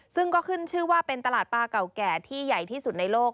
ซึ่งก็ขึ้นชื่อว่าเป็นตลาดปลาเก่าแก่ที่ใหญ่ที่สุดในโลก